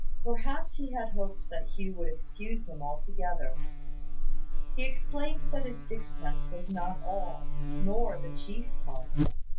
Perhaps he had hoped that Hugh would excuse him altogether. He explained that this sixpence was not all, nor the chief part.